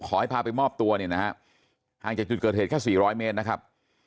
พาไปมอบตัวเนี่ยนะฮะห่างจากจุดเกิดเหตุแค่๔๐๐เมตรนะครับ